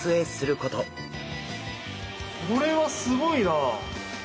これはすごいな！